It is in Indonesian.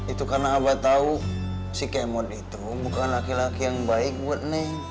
itu karena abah tau si k mond itu bukan laki laki yang baik buat neng